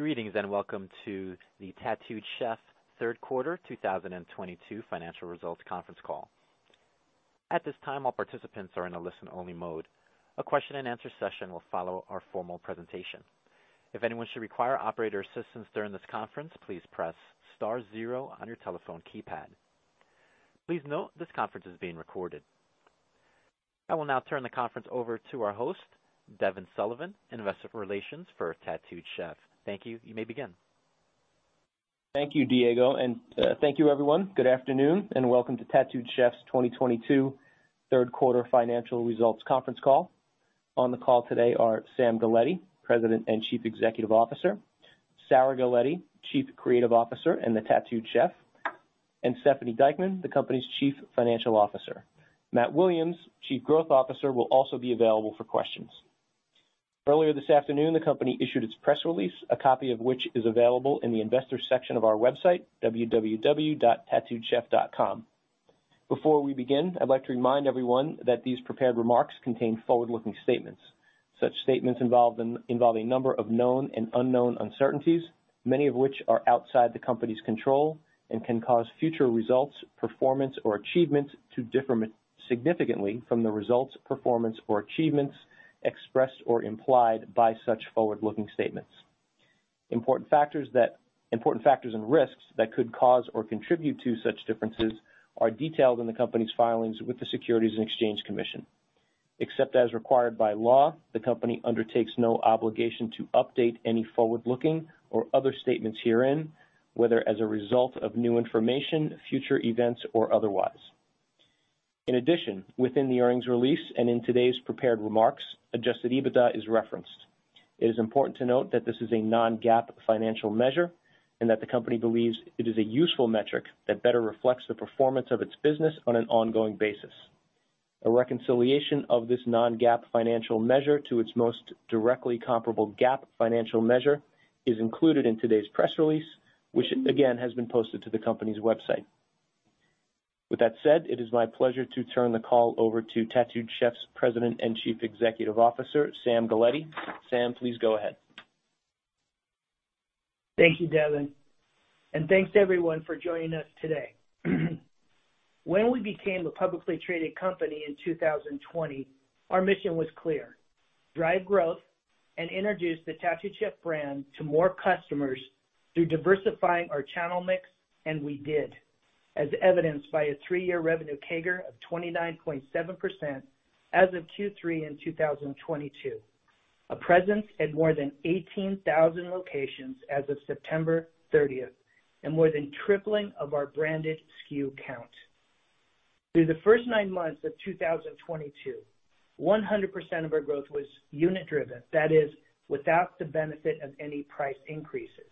Greetings, and welcome to the Tattooed Chef Third Quarter 2022 Financial Results Conference Call. At this time, all participants are in a listen-only mode. A question and answer session will follow our formal presentation. If anyone should require operator assistance during this conference, please press star zero on your telephone keypad. Please note this conference is being recorded. I will now turn the conference over to our host, Devin Sullivan, Investor Relations for Tattooed Chef. Thank you. You may begin. Thank you, Diego, and thank you everyone. Good afternoon, and welcome to Tattooed Chef's 2022 third quarter financial results conference call. On the call today are Sam Galletti, President and Chief Executive Officer, Sarah Galletti, Chief Creative Officer, Tattooed Chef, and Stephanie Dieckmann, the company's Chief Financial Officer. Matthew Williams, Chief Growth Officer, will also be available for questions. Earlier this afternoon, the company issued its press release, a copy of which is available in the investors section of our website, www.tattooedchef.com. Before we begin, I'd like to remind everyone that these prepared remarks contain forward-looking statements. Such statements involve a number of known and unknown uncertainties, many of which are outside the company's control and can cause future results, performance, or achievements to differ significantly from the results, performance, or achievements expressed or implied by such forward-looking statements. Important factors that Important factors and risks that could cause or contribute to such differences are detailed in the company's filings with the Securities and Exchange Commission. Except as required by law, the company undertakes no obligation to update any forward-looking or other statements herein, whether as a result of new information, future events, or otherwise. In addition, within the earnings release and in today's prepared remarks, adjusted EBITDA is referenced. It is important to note that this is a non-GAAP financial measure, and that the company believes it is a useful metric that better reflects the performance of its business on an ongoing basis. A reconciliation of this non-GAAP financial measure to its most directly comparable GAAP financial measure is included in today's press release, which, again, has been posted to the company's website. With that said, it is my pleasure to turn the call over to Tattooed Chef's President and Chief Executive Officer, Sam Galletti. Sam, please go ahead. Thank you, Devin, and thanks everyone for joining us today. When we became a publicly traded company in 2020, our mission was clear. Drive growth and introduce the Tattooed Chef brand to more customers through diversifying our channel mix, and we did, as evidenced by a three-year revenue CAGR of 29.7% as of Q3 2022. A presence at more than 18,000 locations as of September 30, and more than tripling of our branded SKU count. Through the first nine months of 2022, 100% of our growth was unit-driven. That is, without the benefit of any price increases.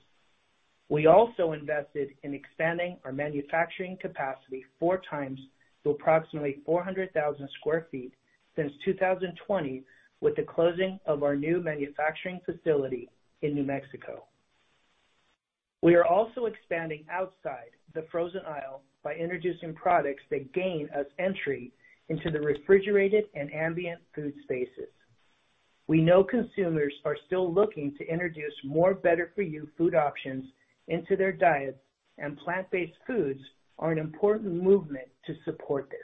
We also invested in expanding our manufacturing capacity four times to approximately 400,000 sq. Ft. Since 2020 with the closing of our new manufacturing facility in New Mexico. We are also expanding outside the frozen aisle by introducing products that gain us entry into the refrigerated and ambient food spaces. We know consumers are still looking to introduce more better-for-you food options into their diets, and plant-based foods are an important movement to support this.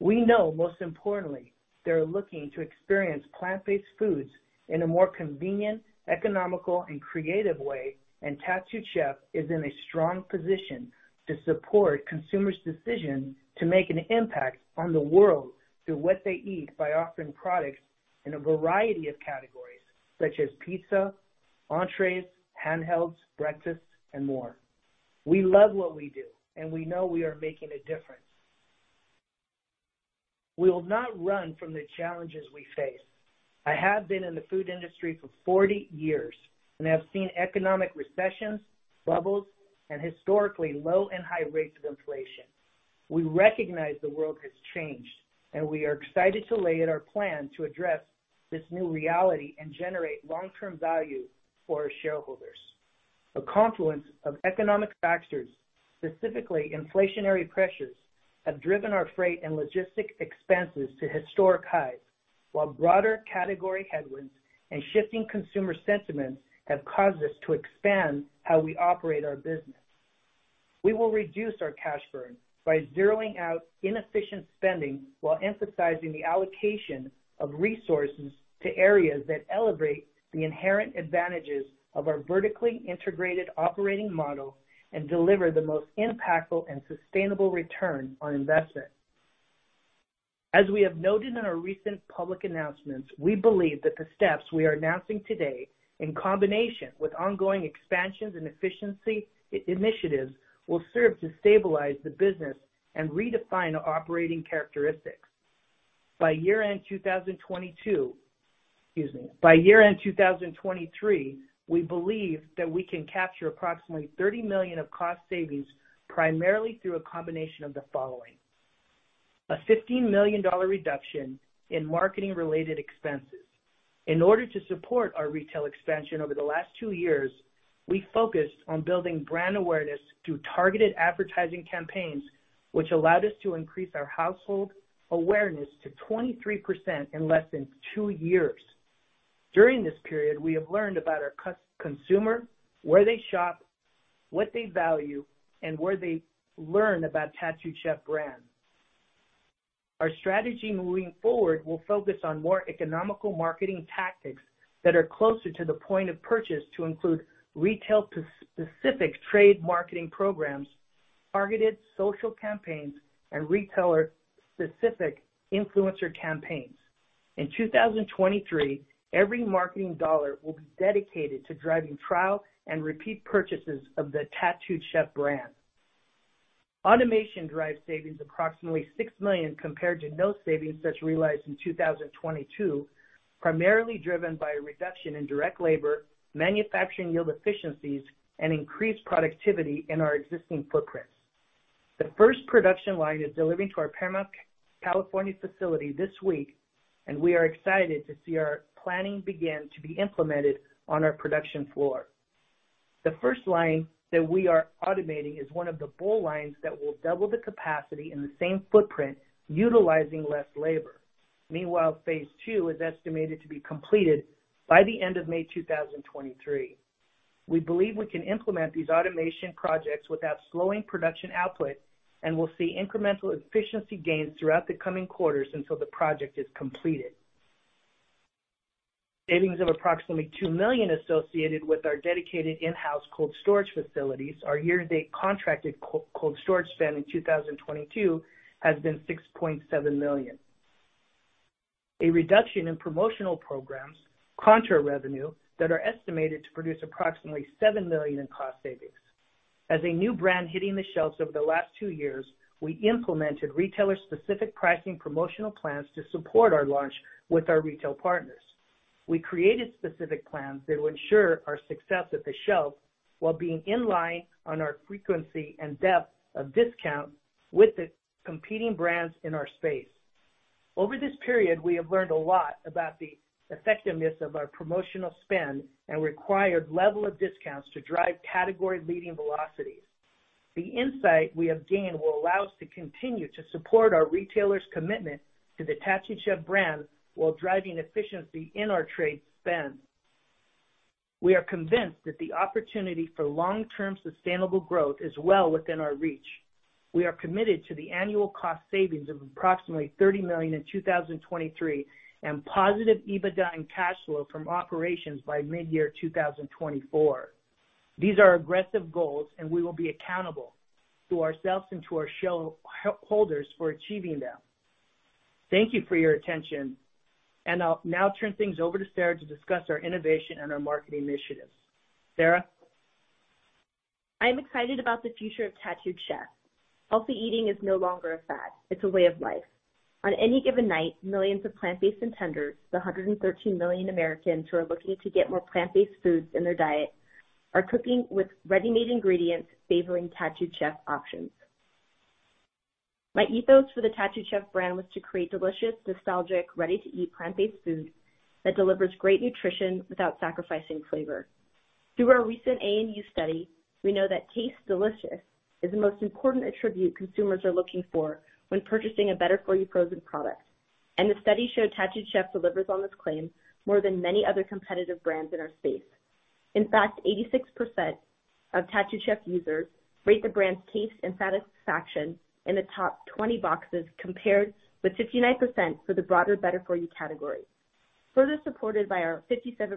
We know most importantly, they're looking to experience plant-based foods in a more convenient, economical, and creative way, and Tattooed Chef is in a strong position to support consumers' decision to make an impact on the world through what they eat by offering products in a variety of categories, such as pizza, entrees, handhelds, breakfast, and more. We love what we do, and we know we are making a difference. We will not run from the challenges we face. I have been in the food industry for 40 years and have seen economic recessions, bubbles, and historically low and high rates of inflation. We recognize the world has changed, and we are excited to lay out our plan to address this new reality and generate long-term value for our shareholders. A confluence of economic factors, specifically inflationary pressures, have driven our freight and logistics expenses to historic highs, while broader category headwinds and shifting consumer sentiments have caused us to expand how we operate our business. We will reduce our cash burn by zeroing out inefficient spending while emphasizing the allocation of resources to areas that elevate the inherent advantages of our vertically integrated operating model and deliver the most impactful and sustainable return on investment. As we have noted in our recent public announcements, we believe that the steps we are announcing today, in combination with ongoing expansions and efficiency initiatives, will serve to stabilize the business and redefine the operating characteristics. By year-end 2022. Excuse me. By year-end 2023, we believe that we can capture approximately $30 million of cost savings primarily through a combination of the following. A $15 million reduction in marketing-related expenses. In order to support our retail expansion over the last two years. We focused on building brand awareness through targeted advertising campaigns, which allowed us to increase our household awareness to 23% in less than 2 years. During this period, we have learned about our consumer, where they shop, what they value, and where they learn about Tattooed Chef brand. Our strategy moving forward will focus on more economical marketing tactics that are closer to the point of purchase to include retail-specific trade marketing programs, targeted social campaigns, and retailer-specific influencer campaigns. In 2023, every marketing dollar will be dedicated to driving trial and repeat purchases of the Tattooed Chef brand. Automation drives savings of approximately $6 million compared to no savings that's realized in 2022, primarily driven by a reduction in direct labor, manufacturing yield efficiencies, and increased productivity in our existing footprint. The first production line is delivering to our Paramount, California facility this week, and we are excited to see our planning begin to be implemented on our production floor. The first line that we are automating is one of the bowl lines that will double the capacity in the same footprint, utilizing less labor. Meanwhile, phase II is estimated to be completed by the end of May 2023. We believe we can implement these automation projects without slowing production output, and we'll see incremental efficiency gains throughout the coming quarters until the project is completed. Savings of approximately $2 million associated with our dedicated in-house cold storage facilities. Our year-to-date contracted co-cold storage spend in 2022 has been $6.7 million. A reduction in promotional programs, contra revenue that are estimated to produce approximately $7 million in cost savings. As a new brand hitting the shelves over the last two years, we implemented retailer-specific pricing promotional plans to support our launch with our retail partners. We created specific plans that would ensure our success at the shelf while being in line on our frequency and depth of discount with the competing brands in our space. Over this period, we have learned a lot about the effectiveness of our promotional spend and required level of discounts to drive category-leading velocities. The insight we have gained will allow us to continue to support our retailers' commitment to the Tattooed Chef brand while driving efficiency in our trade spend. We are convinced that the opportunity for long-term sustainable growth is well within our reach. We are committed to the annual cost savings of approximately $30 million in 2023 and positive EBITDA and cash flow from operations by mid-year 2024. These are aggressive goals, and we will be accountable to ourselves and to our shareholders for achieving them. Thank you for your attention. I'll now turn things over to Sarah to discuss our innovation and our marketing initiatives. Sarah? I am excited about the future of Tattooed Chef. Healthy eating is no longer a fad, it's a way of life. On any given night, millions of plant-based and intenders, the 113 million Americans who are looking to get more plant-based foods in their diet, are cooking with ready-made ingredients favoring Tattooed Chef options. My ethos for the Tattooed Chef brand was to create delicious, nostalgic, ready-to-eat plant-based food that delivers great nutrition without sacrificing flavor. Through our recent A&U study, we know that tastes delicious is the most important attribute consumers are looking for when purchasing a better for you frozen product. The study showed Tattooed Chef delivers on this claim more than many other competitive brands in our space. In fact, 86% of Tattooed Chef users rate the brand's taste and satisfaction in the top 20 boxes, compared with 59% for the broader better for you category. Further supported by our 57%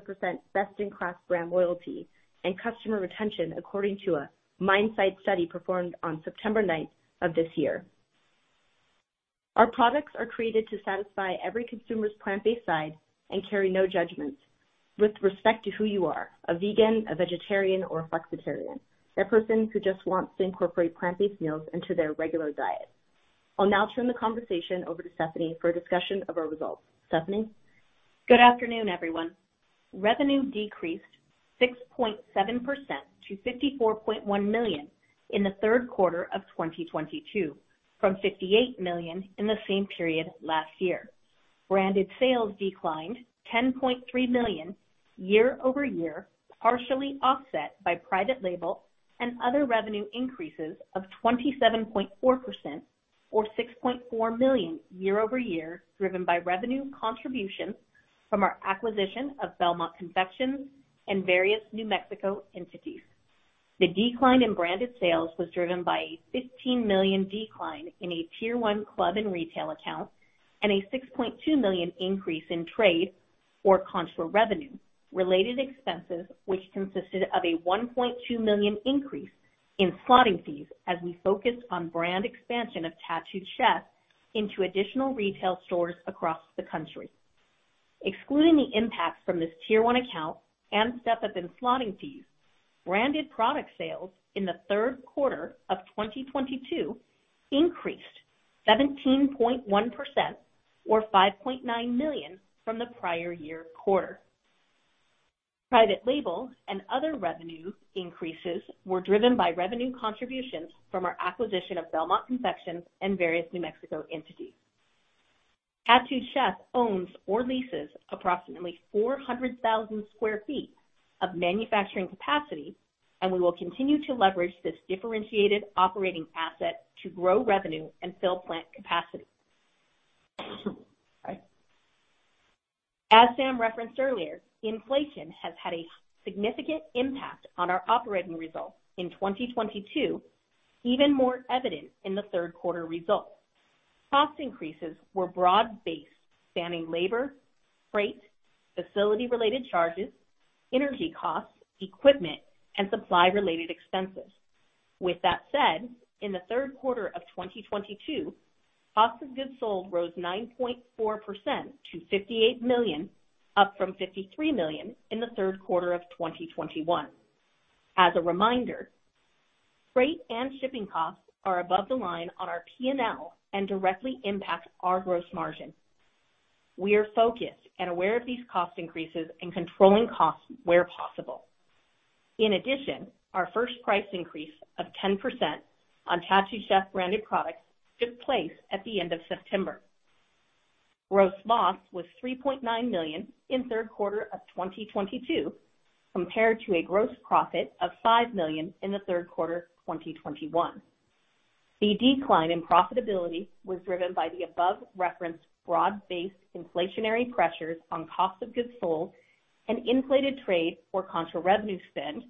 best-in-class brand loyalty and customer retention, according to a Mintel study performed on September 9th of this year. Our products are created to satisfy every consumer's plant-based side and carry no judgments with respect to who you are, a vegan, a vegetarian, or a flexitarian. That person who just wants to incorporate plant-based meals into their regular diet. I'll now turn the conversation over to Stephanie for a discussion of our results. Stephanie? Good afternoon, everyone. Revenue decreased 6.7% to $54.1 million in the third quarter of 2022, from $58 million in the same period last year. Branded sales declined $10.3 million year-over-year, partially offset by private label and other revenue increases of 27.4% or $6.4 million year-over-year, driven by revenue contributions from our acquisition of Belmont Confections and various New Mexico entities. The decline in branded sales was driven by a $15 million decline in a tier one club and retail account and a $6.2 million increase in trade or contra revenue related expenses, which consisted of a $1.2 million increase in slotting fees as we focused on brand expansion of Tattooed Chef into additional retail stores across the country. Excluding the impact from this tier one account and step up in slotting fees, branded product sales in the third quarter of 2022 increased 17.1% or $5.9 million from the prior year quarter. Private label and other revenue increases were driven by revenue contributions from our acquisition of Belmont Confections and various New Mexico entities. Tattooed Chef owns or leases approximately 400,000 sq ft of manufacturing capacity, and we will continue to leverage this differentiated operating asset to grow revenue and fill plant capacity. As Sam referenced earlier, inflation has had a significant impact on our operating results in 2022, even more evident in the third quarter results. Cost increases were broad-based, spanning labor, freight, facility related charges, energy costs, equipment, and supply related expenses. With that said, in the third quarter of 2022, cost of goods sold rose 9.4% to $58 million, up from $53 million in the third quarter of 2021. As a reminder, freight and shipping costs are above the line on our P&L and directly impact our gross margin. We are focused and aware of these cost increases and controlling costs where possible. In addition, our first price increase of 10% on Tattooed Chef branded products took place at the end of September. Gross loss was $3.9 million in third quarter of 2022, compared to a gross profit of $5 million in the third quarter of 2021. The decline in profitability was driven by the above-referenced broad-based inflationary pressures on cost of goods sold and inflated trade or contra revenue spend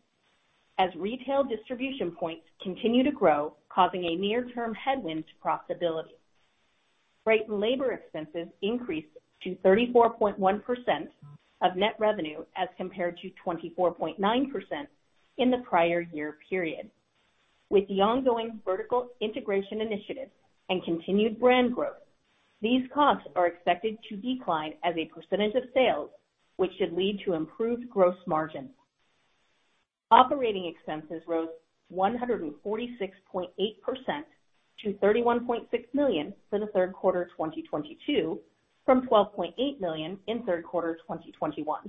as retail distribution points continue to grow, causing a near-term headwind to profitability. Freight and labor expenses increased to 34.1% of net revenue as compared to 24.9% in the prior year period. With the ongoing vertical integration initiative and continued brand growth, these costs are expected to decline as a percentage of sales, which should lead to improved gross margin. Operating expenses rose 146.8% to $31.6 million for the third quarter of 2022 from $12.8 million in third quarter of 2021,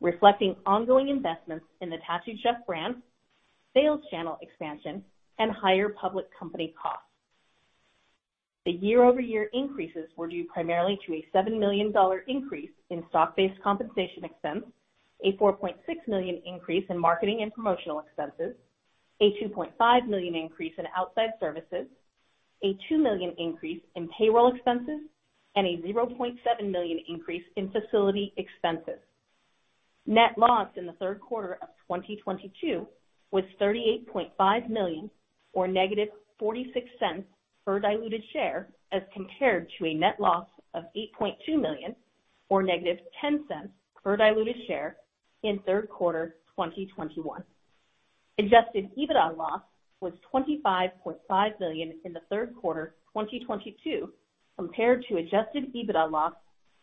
reflecting ongoing investments in the Tattooed Chef brand, sales channel expansion, and higher public company costs. The year-over-year increases were due primarily to a $7 million increase in stock-based compensation expense, a $4.6 million increase in marketing and promotional expenses, a $2.5 million increase in outside services, a $2 million increase in payroll expenses, and a $0.7 million increase in facility expenses. Net loss in the third quarter of 2022 was $38.5 million or -$0.46 per diluted share, as compared to a net loss of $8.2 million or -$0.10 per diluted share in third quarter of 2021. Adjusted EBITDA loss was $25.5 million in the third quarter of 2022, compared to adjusted EBITDA loss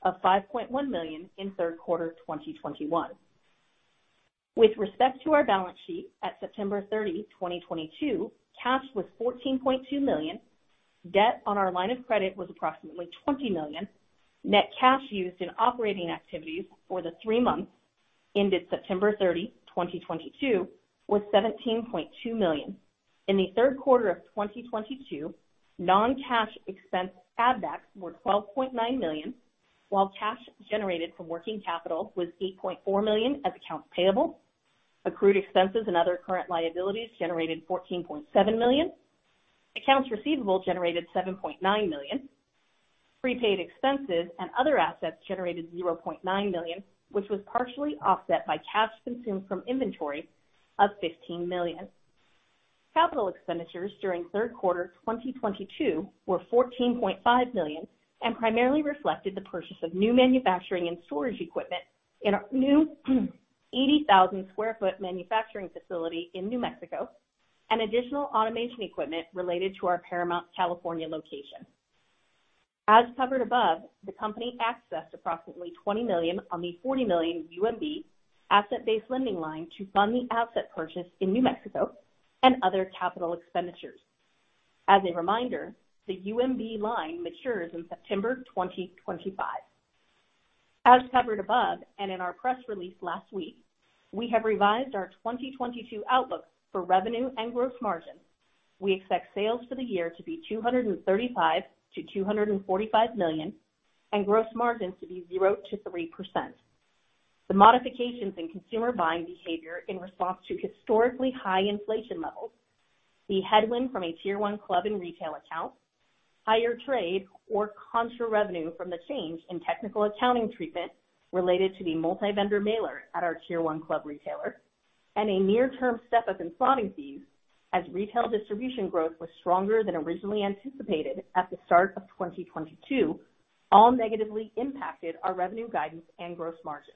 of $5.1 million in third quarter of 2021. With respect to our balance sheet at September 30, 2022, cash was $14.2 million. Debt on our line of credit was approximately $20 million. Net cash used in operating activities for the Three months ended September 30, 2022 was $17.2 million. In the third quarter of 2022, non-cash expense add backs were $12.9 million, while cash generated from working capital was $8.4 million from accounts payable, accrued expenses and other current liabilities generated $14.7 million. Accounts receivable generated $7.9 million. Prepaid expenses and other assets generated $0.9 million, which was partially offset by cash consumed from inventory of $15 million. Capital expenditures during third quarter of 2022 were $14.5 million and primarily reflected the purchase of new manufacturing and storage equipment in our new 80,000 sq ft manufacturing facility in New Mexico and additional automation equipment related to our Paramount, California location. As covered above, the company accessed approximately $20 million on the $40 million UMB asset-based lending line to fund the asset purchase in New Mexico and other capital expenditures. As a reminder, the UMB line matures in September 2025. As covered above and in our press release last week, we have revised our 2022 outlook for revenue and gross margin. We expect sales for the year to be $235 million-$245 million and gross margins to be 0%-3%. The modifications in consumer buying behavior in response to historically high inflation levels, the headwind from a tier one club and retail account, higher trade or contra revenue from the change in technical accounting treatment related to the multi-vendor mailer at our tier one club retailer, and a near-term step up in slotting fees as retail distribution growth was stronger than originally anticipated at the start of 2022 all negatively impacted our revenue guidance and gross margin.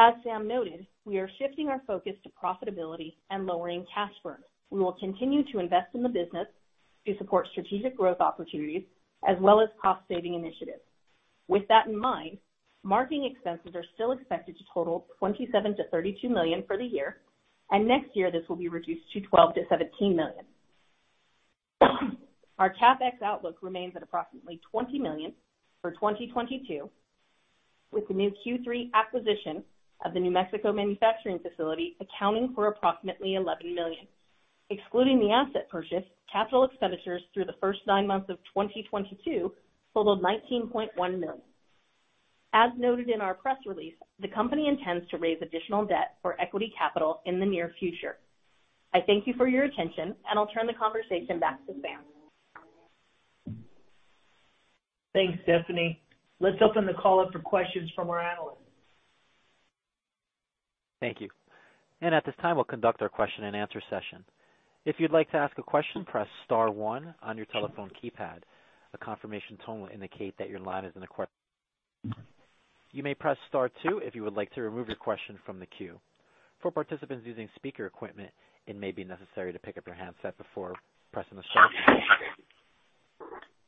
As Sam noted, we are shifting our focus to profitability and lowering cash burn. We will continue to invest in the business to support strategic growth opportunities as well as cost saving initiatives. With that in mind, marketing expenses are still expected to total $27 million-$32 million for the year, and next year this will be reduced to $12 million-$17 million. Our CapEx outlook remains at approximately $20 million for 2022. With the new Q3 acquisition of the New Mexico manufacturing facility accounting for approximately $11 million. Excluding the asset purchase, capital expenditures through the First nine months of 2022 totaled $19.1 million. As noted in our press release, the company intends to raise additional debt for equity capital in the near future. I thank you for your attention, and I'll turn the conversation back to Sam. Thanks, Stephanie. Let's open the call up for questions from our analysts. Thank you. At this time, we'll conduct our question-and-answer session. If you'd like to ask a question, press star one on your telephone keypad. A confirmation tone will indicate that your line is in the queue. You may press star two if you would like to remove your question from the queue. For participants using speaker equipment, it may be necessary to pick up your handset before pressing the star key.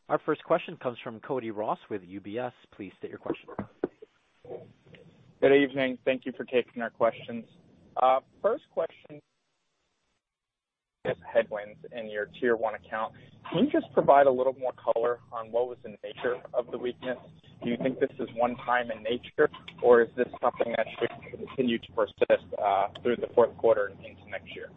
Our first question comes from Cody Ross with UBS. Please state your question. Good evening. Thank you for taking our questions. First question, headwinds in your tier one account. Can you just provide a little more color on what was the nature of the weakness? Do you think this is one time in nature, or is this something that should continue to persist through the fourth quarter into next year?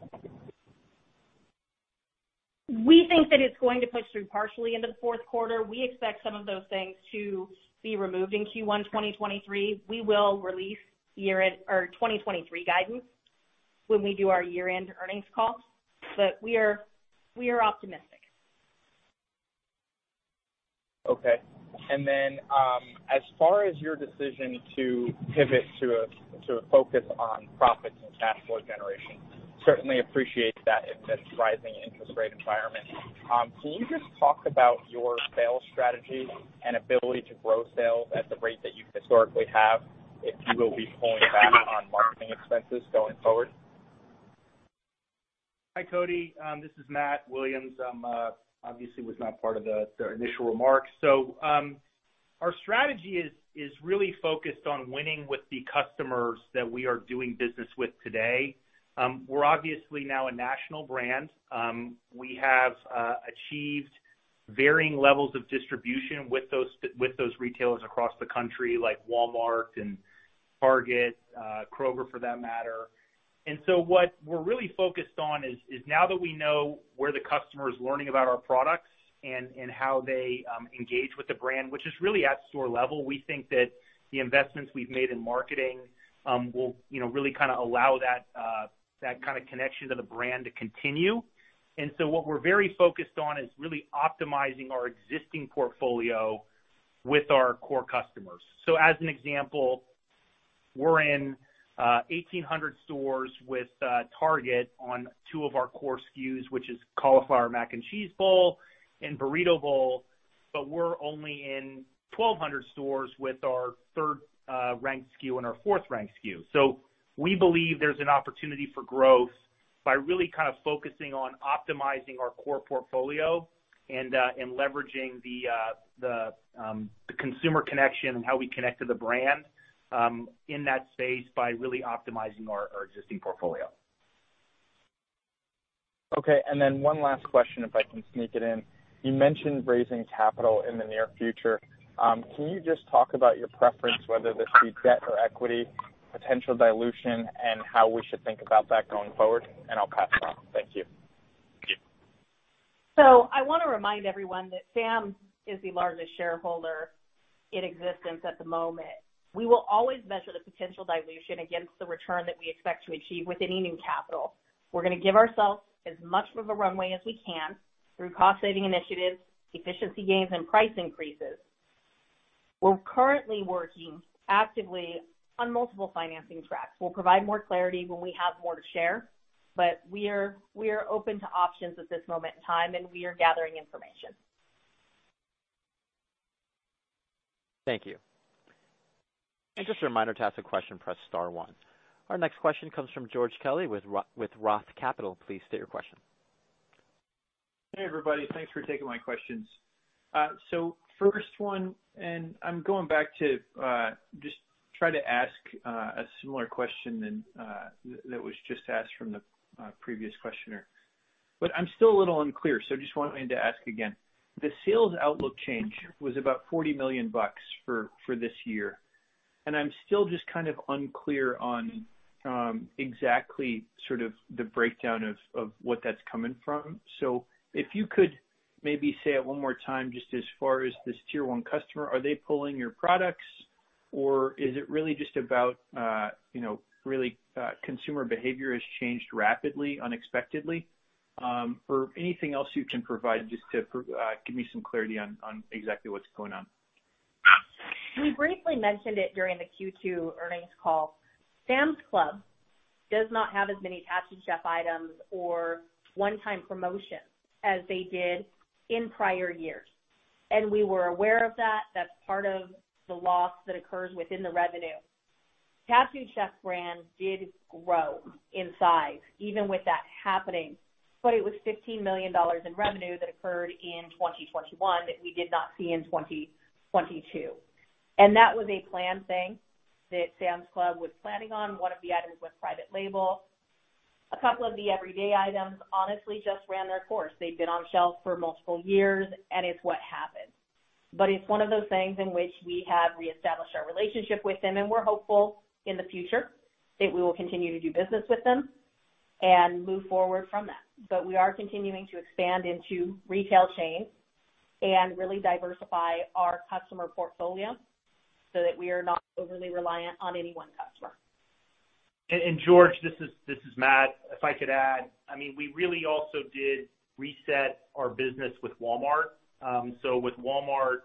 We think that it's going to push through partially into the fourth quarter. We expect some of those things to be removed in Q1 2023. We will release year-end or 2023 guidance when we do our year-end earnings call. We are optimistic. Okay. As far as your decision to pivot to a focus on profits and cash flow generation, certainly appreciate that in this rising interest rate environment. Can you just talk about your sales strategy and ability to grow sales at the rate that you historically have if you will be pulling back on marketing expenses going forward? Hi, Cody. This is Matt Williams. I'm obviously was not part of the initial remarks. Our strategy is really focused on winning with the customers that we are doing business with today. We're obviously now a national brand. We have achieved varying levels of distribution with those retailers across the country, like Walmart and Target, Kroger, for that matter. What we're really focused on is now that we know where the customer is learning about our products and how they engage with the brand, which is really at store level, we think that the investments we've made in marketing will, you know, really kinda allow that kinda connection to the brand to continue. What we're very focused on is really optimizing our existing portfolio with our core customers. As an example, we're in 1,800 stores with Target on two of our core SKUs, which is Cauliflower Mac & Cheese Bowl and Burrito Bowl, but we're only in 1,200 stores with our third ranked SKU and our fourth ranked SKU. We believe there's an opportunity for growth by really kind of focusing on optimizing our core portfolio and leveraging the consumer connection and how we connect to the brand in that space by really optimizing our existing portfolio. Okay. One last question, if I can sneak it in. You mentioned raising capital in the near future. Can you just talk about your preference whether this be debt or equity, potential dilution, and how we should think about that going forward? I'll pass it on. Thank you. I wanna remind everyone that Sam is the largest shareholder in existence at the moment. We will always measure the potential dilution against the return that we expect to achieve with any new capital. We're gonna give ourselves as much of a runway as we can through cost saving initiatives, efficiency gains and price increases. We're currently working actively on multiple financing tracks. We'll provide more clarity when we have more to share, but we are open to options at this moment in time, and we are gathering information. Thank you. Just a reminder to ask a question, press star one. Our next question comes from George Kelly with Roth Capital. Please state your question. Hey, everybody. Thanks for taking my questions. First one, I'm going back to just try to ask a similar question than that was just asked from the previous questioner, but I'm still a little unclear. Just wanting to ask again. The sales outlook change was about $40 million for this year. I'm still just kind of unclear on exactly sort of the breakdown of what that's coming from. If you could maybe say it one more time, just as far as this tier one customer, are they pulling your products or is it really just about you know really consumer behavior has changed rapidly, unexpectedly? Or anything else you can provide just to give me some clarity on exactly what's going on. We briefly mentioned it during the Q2 Earnings Call. Sam's Club does not have as many Tattooed Chef items or one-time promotions as they did in prior years, and we were aware of that. That's part of the loss that occurs within the revenue. Tattooed Chef brand did grow in size even with that happening, but it was $15 million in revenue that occurred in 2021 that we did not see in 2022. That was a planned thing that Sam's Club was planning on. One of the items was private label. A couple of the everyday items honestly just ran their course. They've been on shelf for multiple years, and it's what happens. It's one of those things in which we have reestablished our relationship with them, and we're hopeful in the future that we will continue to do business with them and move forward from that. We are continuing to expand into retail chains and really diversify our customer portfolio so that we are not overly reliant on any one customer. George, this is Matt. If I could add, I mean, we really also did reset our business with Walmart. With Walmart,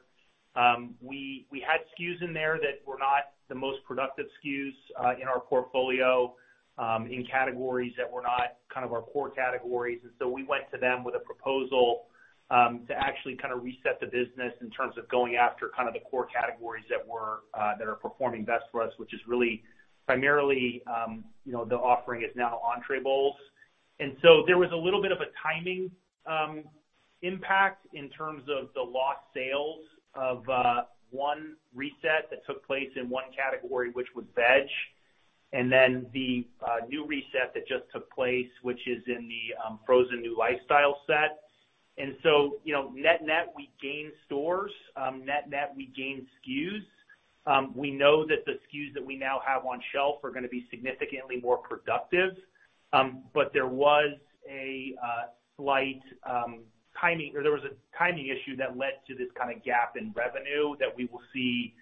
we had SKUs in there that were not the most productive SKUs in our portfolio in categories that were not kind of our core categories. We went to them with a proposal to actually kind of reset the business in terms of going after kind of the core categories that are performing best for us, which is really primarily you know the offering is now Entrée Bowls. There was a little bit of a timing impact in terms of the lost sales of one reset that took place in one category, which was veg, and then the new reset that just took place, which is in the frozen New Lifestyle set. You know, net we gained stores. Net we gained SKUs. We know that the SKUs that we now have on shelf are gonna be significantly more productive. But there was a slight timing issue that led to this kinda gap in revenue that we will see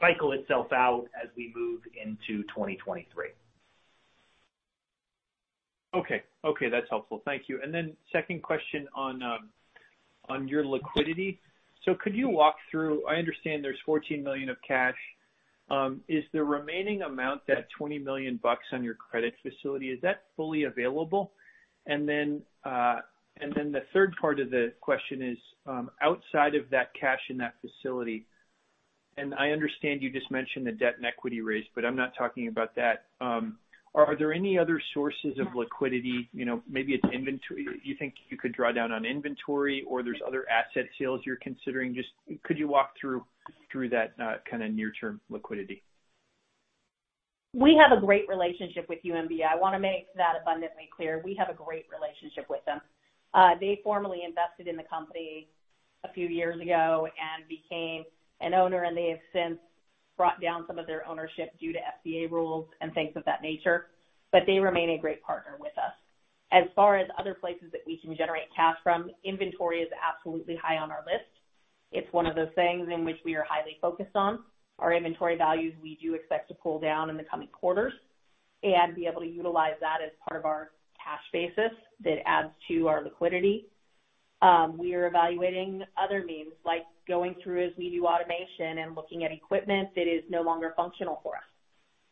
cycle itself out as we move into 2023. Okay. Okay, that's helpful. Thank you. Second question on your liquidity. Could you walk through? I understand there's $14 million of cash. Is the remaining amount, that $20 million on your credit facility, fully available? The third part of the question is, outside of that cash in that facility, and I understand you just mentioned the debt and equity raise, but I'm not talking about that. Are there any other sources of liquidity? You know, maybe it's inventory. Do you think you could draw down on inventory, or there's other asset sales you're considering? Could you walk through that kind of near-term liquidity? We have a great relationship with UMB. I wanna make that abundantly clear. We have a great relationship with them. They formally invested in the company a few years ago and became an owner, and they have since brought down some of their ownership due to FDA rules and things of that nature, but they remain a great partner with us. As far as other places that we can generate cash from, inventory is absolutely high on our list. It's one of those things in which we are highly focused on. Our inventory values we do expect to pull down in the coming quarters and be able to utilize that as part of our cash basis that adds to our liquidity. We are evaluating other means, like going through as we do automation and looking at equipment that is no longer functional for us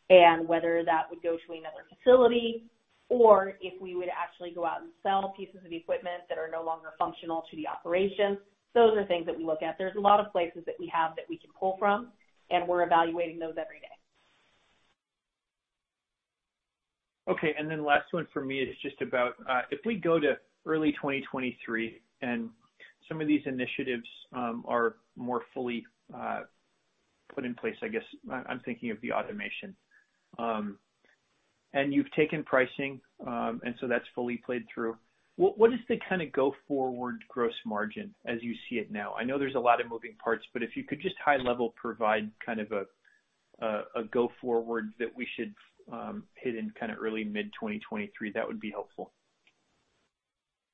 and whether that would go to another facility or if we would actually go out and sell pieces of equipment that are no longer functional to the operations. Those are things that we look at. There's a lot of places that we have that we can pull from, and we're evaluating those every day. Okay. Last one for me is just about, if we go to early 2023 and some of these initiatives are more fully put in place, I guess I'm thinking of the automation. You've taken pricing, and so that's fully played through. What is the kinda go forward gross margin as you see it now? I know there's a lot of moving parts, but if you could just high level provide kind of a go forward that we should hit in kinda early mid-2023, that would be helpful.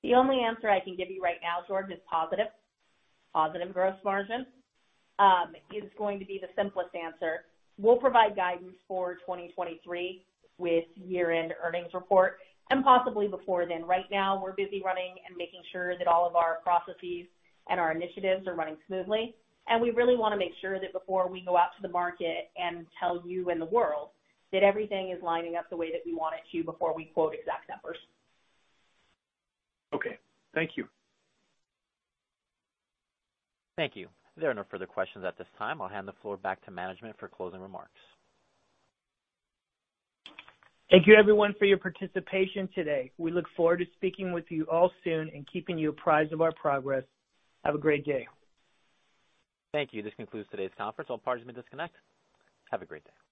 The only answer I can give you right now, George, is positive. Positive gross margin is going to be the simplest answer. We'll provide guidance for 2023 with year-end earnings report and possibly before then. Right now, we're busy running and making sure that all of our processes and our initiatives are running smoothly. We really wanna make sure that before we go out to the market and tell you and the world that everything is lining up the way that we want it to before we quote exact numbers. Okay. Thank you. Thank you. There are no further questions at this time. I'll hand the floor back to management for closing remarks. Thank you everyone for your participation today. We look forward to speaking with you all soon and keeping you apprised of our progress. Have a great day. Thank you. This concludes today's conference. All parties may disconnect. Have a great day.